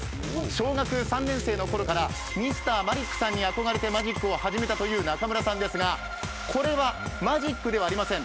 小学３年生のころからＭｒ．マリックさんに憧れてマジックを始めたという中村さんですがこれはマジックではありません。